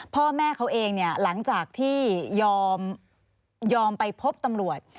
พ่อแม่เขาเองเนี่ยหลังจากที่ยอมไปพบตำรวจ